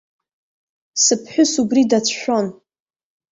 Сыԥҳәыс убри дацәшәон.